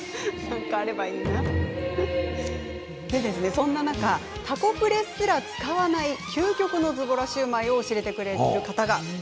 そんな中、たこプレすら使わない究極のズボラシューマイを教えてくれる方が。